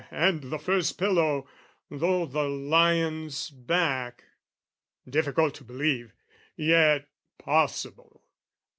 "And the first pillow, though the lion's back: "Difficult to believe, yet possible.